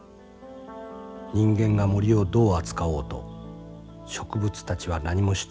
人間が森をどう扱おうと植物たちは何も主張しない。